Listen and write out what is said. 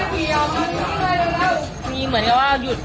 มีเหมือนกับว่าหยุด